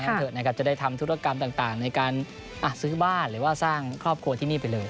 เถอะนะครับจะได้ทำธุรกรรมต่างในการซื้อบ้านหรือว่าสร้างครอบครัวที่นี่ไปเลย